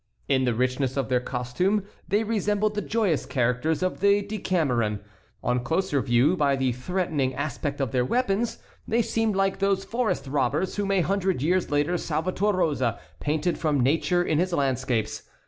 In the richness of their costume they resembled the joyous characters of the "Decameron;" on closer view, by the threatening aspect of their weapons, they seemed like those forest robbers whom a hundred years later Salvator Rosa painted from nature in his landscapes.